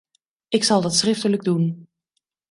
Ik zal dat schriftelijk doen.